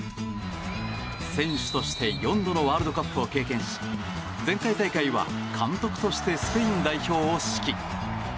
選手として４度のワールドカップを経験し前回大会は監督としてスペイン代表を指揮。